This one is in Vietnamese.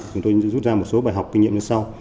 chúng tôi rút ra một số bài học kinh nghiệm như sau